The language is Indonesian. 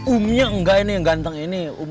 umnya enggak ini yang ganteng ini